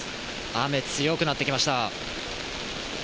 雨、強くなってきました。